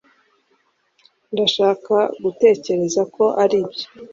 ndashaka gutekereza ko aribyo